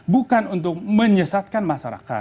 bukan untuk menyesatkan masyarakat